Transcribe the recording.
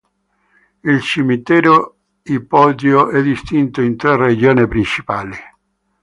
Il cimitero ipogeo è distinto in tre regioni principali.